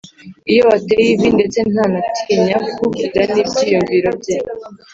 Iyo wateye ivi ndetse ntanatinya kukubwira n’ibyuyumviro bye